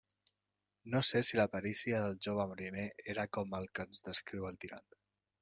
No sé si la perícia del jove mariner era com la que ens descriu el Tirant.